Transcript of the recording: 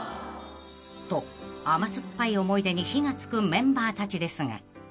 ［と甘酸っぱい思い出に火が付くメンバーたちですが］